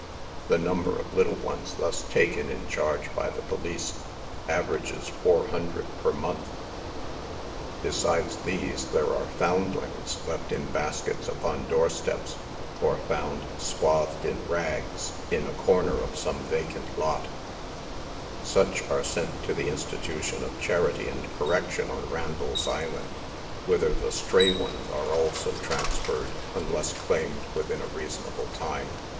The number of little ones thus taken in charge by the police, aver ages four hundred per month. Besides these, there are foundlings, left in baskets upon door steps, or found, swathed in rags, in a cor ner of some vacant lot ; such are sent to the Institution of Charity and Correction, on Randall's Island, whither the stray ones are also transferred, unless claimed within a reasonable time.